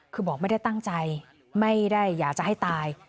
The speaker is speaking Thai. คือบอกไม่ได้ตั้งใจไม่ได้อยากจะให้ตาย